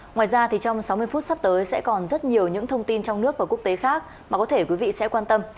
ngoài ra thì trong sáu mươi phút sắp tới sẽ còn rất nhiều những thông tin trong nước và quốc tế khác mà có thể quý vị sẽ quan tâm